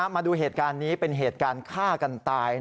มาดูเหตุการณ์นี้เป็นเหตุการณ์ฆ่ากันตาย